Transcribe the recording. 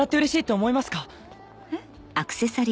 えっ？